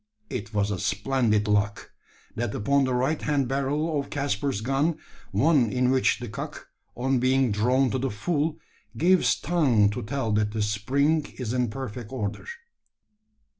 It was a splendid lock that upon the right hand barrel of Caspar's gun one in which the cock, on being drawn to the full, gives tongue to tell that the spring is in perfect order.